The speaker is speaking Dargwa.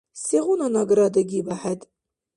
Сегъуна награда гиба хӀед?